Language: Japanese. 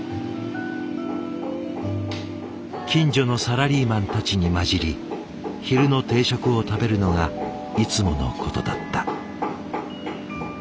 近所のサラリーマンたちに交じり昼の定食を食べるのがいつものことだった。